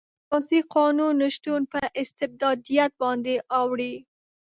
د اساسي قانون نشتون په استبدادیت باندې اوړي.